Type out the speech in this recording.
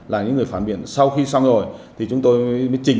là những người phản biện sau khi xong rồi thì chúng tôi sẽ đưa về các cơ quan phản biện